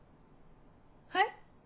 はい？